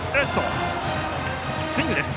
スイングです。